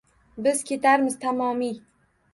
Biz ketarmiz tamomiy.